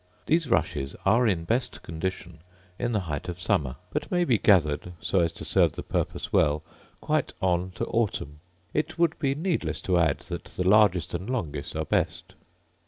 These rushes are in best condition in the height of summer; but may be gathered, so as to serve the purpose well, quite on to autumn. It would be needless to add that the largest and longest are best.